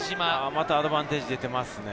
またアドバンテージが出てますね。